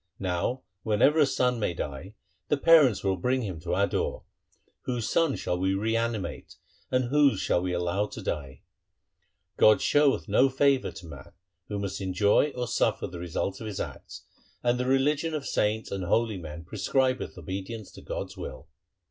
Now whenever a son may die, the parents will bring him to our door. Whose son shall we reanimate, and whose shall we allow to die ? God showeth no favour to man, who must enjoy or suffer the result of his acts, and the religion of saints and holy men pre scribe th obedience to God's will.'